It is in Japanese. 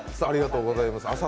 ありがとうございます。